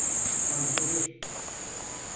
Panzehir.